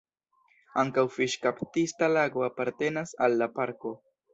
Ankaŭ fiŝkaptista lago apartenas al la parko.